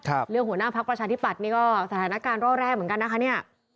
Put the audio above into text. เรื่องหัวหน้าภักดิ์ประชาธิปัฏนี่ก็สถานการณ์ร่อแรกเหมือนกันน่ะค่ะ